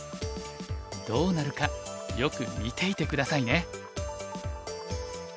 どうなるかよく見ていて下さいね。